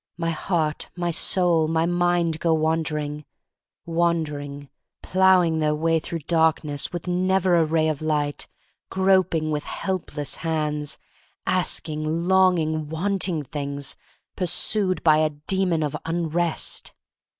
My heart, my soul, my mind go wandering — wandering; ploughing their way through darkness with never a ray of light; groping with helpless hands; asking, longing, wanting things: pur sued by a Demon of Unrest.